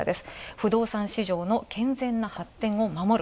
不動産市場の健全な発展を守る。